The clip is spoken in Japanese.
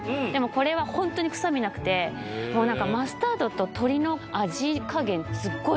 これはホントに臭みなくて何かマスタードと鶏の味加減すっごい